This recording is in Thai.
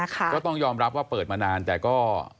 ก็ต้องยอมรับว่าเปิดมานานแต่ก็